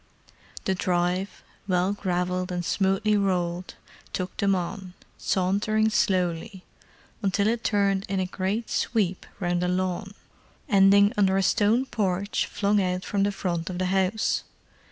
The drive, well gravelled and smoothly rolled, took them on, sauntering slowly, until it turned in a great sweep round a lawn, ending under a stone porch flung out from the front of the house.